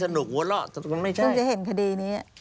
ต้องไปดูอีกทุกคดี